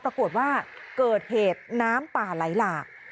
ปรากฏว่าเกิดเหตุน้ำป่าไหลหลาก